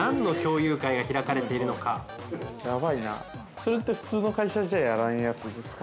◆それって普通の会社じゃやらんやつですか。